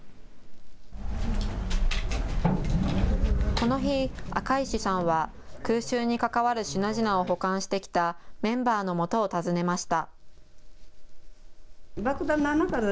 この日、赤石さんは空襲に関わる品々を保管してきたメンバーのもとを訪ねました。